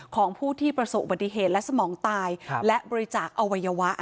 ของผู้ที่ประสบอุบัติเหตุและสมองตายและบริจาคอวัยวะ